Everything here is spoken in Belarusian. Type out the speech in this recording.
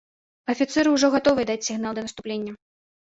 Афіцэры ўжо гатовыя даць сігнал да наступлення.